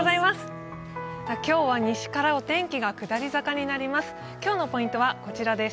今日は西からお天気が下り坂になります。